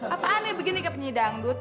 apaan nih begini kayak penyidang dut